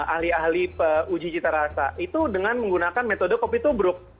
ahli ahli uji cita rasa itu dengan menggunakan metode kopi tubruk